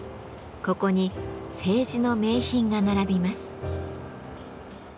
ここに青磁の名品が並びます。